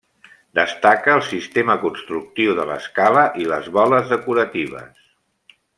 Destaca el sistema constructiu de l'escala i les boles decoratives.